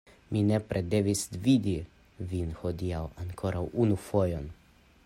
Mi nepre devis vidi vin hodiaŭ ankoraŭ unu fojon.